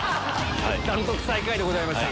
断トツ最下位でございました。